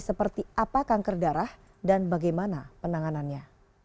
seperti apa kanker darah dan bagaimana penanganannya